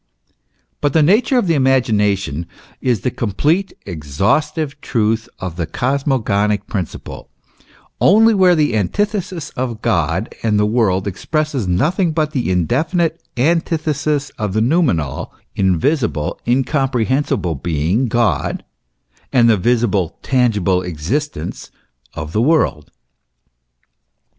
But the nature of the imagination is the complete, exhaus tive truth of the cosmogonic principle, only where the antithesis of God and the world expresses nothing but the indefinite an tithesis of the noumenal, invisible, incomprehensible Being, God, and the visible, tangible existence of the world.